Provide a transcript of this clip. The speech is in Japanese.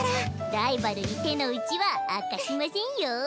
ライバルに手の内は明かしませんよ。